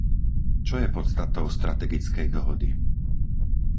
Čo je podstatou strategickej dohody?